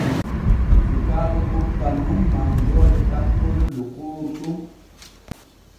Cukaaɓe boppan nun mangooje takkol lokooru ɗon.